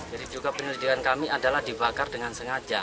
jadi juga penelitian kami adalah dibakar dengan sengaja